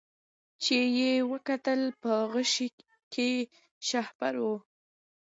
چي یې وکتل په غشي کي شهپر وو